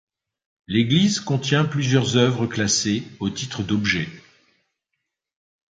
L'église contient plusieurs œuvres classées au titre d'objet.